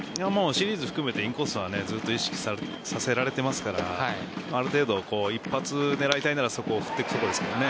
シリーズ含めてインコースはずっと意識させられていますからある程度、一発を狙いたいならそこを振っていくことですね。